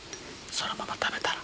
そのまま食べたら？